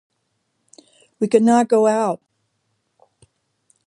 We could not go out because it had been raining hard since early morning.